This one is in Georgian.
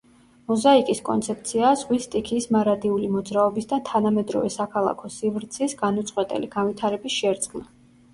მოზაიკის კონცეფციაა ზღვის სტიქიის მარადიული მოძრაობის და თანამედროვე საქალაქო სივრცის განუწყვეტელი განვითარების შერწყმა.